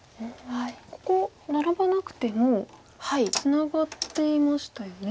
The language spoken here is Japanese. ここナラばなくてもツナがっていましたよね。